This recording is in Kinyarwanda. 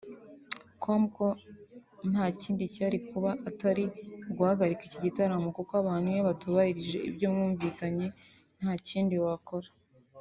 com ko ntakindi cyari kuba atari uguhagarika iki gitaramo kuko abantu iyo batubahirije ibyo mwumvikanye ntakindi wakora